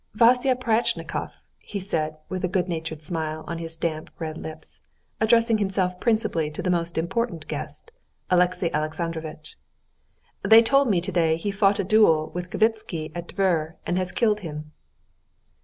"Vasya Pryatchnikov," he said, with a good natured smile on his damp, red lips, addressing himself principally to the most important guest, Alexey Alexandrovitch, "they told me today he fought a duel with Kvitsky at Tver, and has killed him."